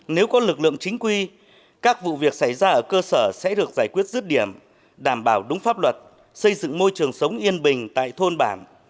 nếu có lực lượng chính quy các vụ việc xảy ra ở cơ sở sẽ được giải quyết rứt điểm đảm bảo đúng pháp luật xây dựng môi trường sống yên bình tại thôn bản